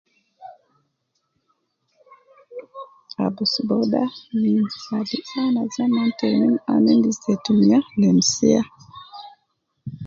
Abus booda, me ana zaman te num ana endis te tumiya nemsiya